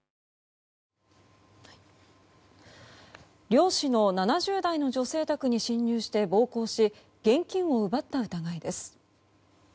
漁師の７０代の女性宅に侵入して暴行し、現金を奪った疑いです。